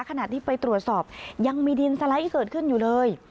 ขณะที่ไปตรวจสอบยังมีดินสไลด์เกิดขึ้นอยู่เลย